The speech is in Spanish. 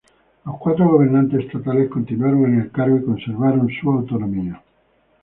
Los cuatro gobernantes estatales continuaron en el cargo y conservaron su autonomía.